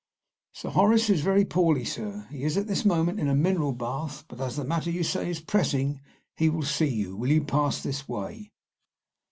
"Sir Horace is very poorly, sir; he is at this moment in a mineral bath; but as the matter you say is pressing, he will see you. Will you pass this way?"